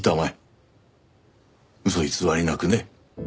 嘘偽りなくね。